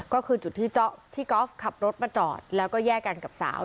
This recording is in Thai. ก็คือจุดที่กอล์ฟขับรถมาจอดแล้วก็แยกกันกับสาว